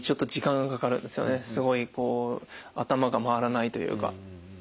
すごいこう頭が回らないというか。